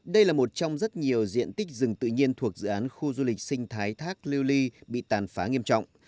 đây là một trong rất nhiều diện tích rừng tự nhiên thuộc dự án khu du lịch sinh thái thác lưu ly bị tàn phá nghiêm trọng